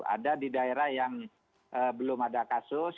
ada di daerah yang belum ada kasus